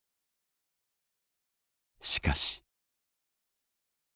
しかし。